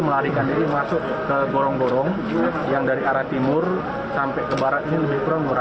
melarikan diri masuk ke gorong gorong yang dari arah timur sampai ke baratnya lebih kurang dua ratus